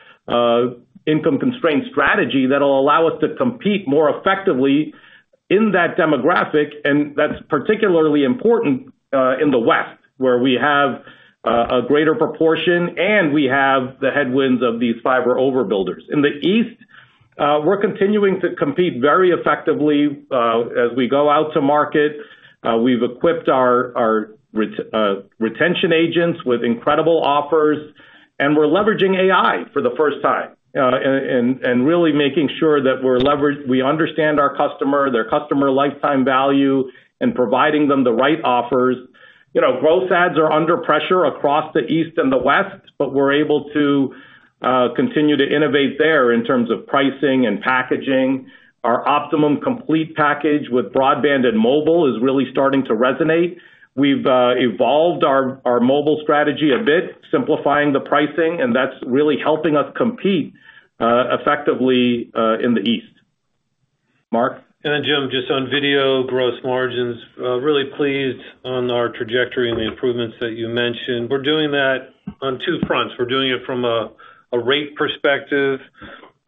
income-constrained strategy that will allow us to compete more effectively in that demographic. And that's particularly important in the West, where we have a greater proportion and we have the headwinds of these fiber overbuilders. In the East, we're continuing to compete very effectively as we go out to market. We've equipped our retention agents with incredible offers. And we're leveraging AI for the first time and really making sure that we understand our customer, their customer lifetime value, and providing them the right offers. Gross adds are under pressure across the East and the West, but we're able to continue to innovate there in terms of pricing and packaging. Our Optimum Complete package with broadband and mobile is really starting to resonate. We've evolved our mobile strategy a bit, simplifying the pricing, and that's really helping us compete effectively in the East. Marc? And then, Jim, just on video gross margins, really pleased on our trajectory and the improvements that you mentioned. We're doing that on two fronts. We're doing it from a rate perspective,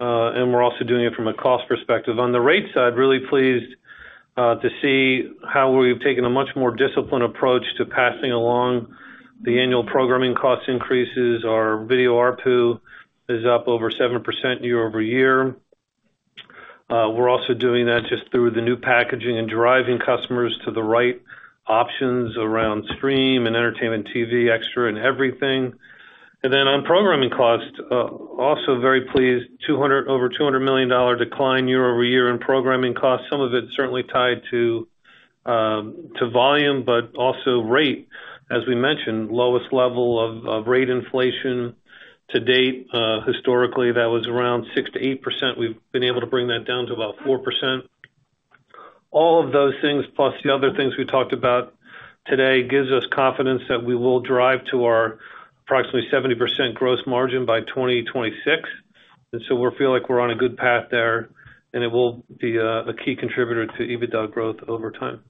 and we're also doing it from a cost perspective. On the rate side, really pleased to see how we've taken a much more disciplined approach to passing along the annual programming cost increases. Our video RPU is up over 7% year-over-year. We're also doing that just through the new packaging and driving customers to the right options around Stream and Entertainment TV, Extra, and Everything. And then on programming cost, also very pleased, over $200 million decline year-over-year in programming costs. Some of it's certainly tied to volume, but also rate. As we mentioned, lowest level of rate inflation to date. Historically, that was around 6%-8%. We've been able to bring that down to about 4%. All of those things, plus the other things we talked about today, gives us confidence that we will drive to our approximately 70% gross margin by 2026. And so we feel like we're on a good path there, and it will be a key contributor to EBITDA growth over time.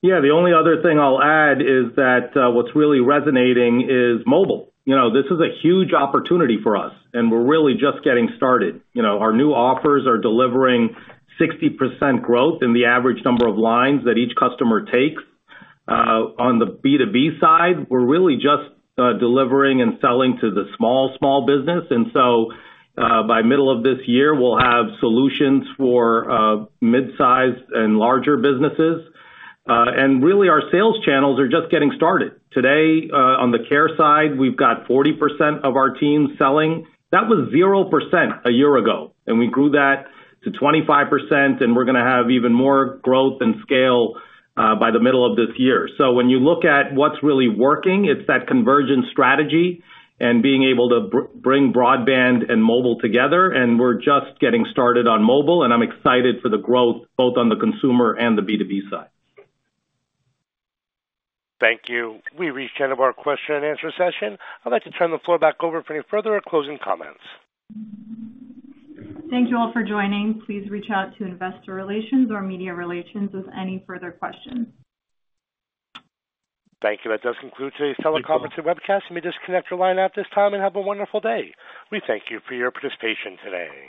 Yeah. The only other thing I'll add is that what's really resonating is mobile. This is a huge opportunity for us, and we're really just getting started. Our new offers are delivering 60% growth in the average number of lines that each customer takes. On the B2B side, we're really just delivering and selling to the small, small business. And so by middle of this year, we'll have solutions for mid-sized and larger businesses. And really, our sales channels are just getting started. Today, on the care side, we've got 40% of our team selling. That was 0% a year ago, and we grew that to 25%, and we're going to have even more growth and scale by the middle of this year. So when you look at what's really working, it's that convergence strategy and being able to bring broadband and mobile together. And we're just getting started on mobile, and I'm excited for the growth both on the consumer and the B2B side. Thank you. We reached the end of our question and answer session. I'd like to turn the floor back over for any further or closing comments. Thank you all for joining. Please reach out to investor relations or media relations with any further questions. Thank you. That does conclude today's teleconference and webcast. You may disconnect your line at this time and have a wonderful day. We thank you for your participation today.